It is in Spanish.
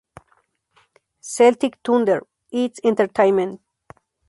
Celtic Thunder: It's Entertainment!